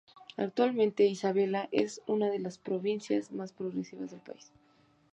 Actualmente, Isabela es una de las provincias más progresivas del país.